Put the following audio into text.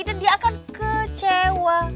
dan dia akan kecewa